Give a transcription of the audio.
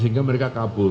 sehingga mereka kabur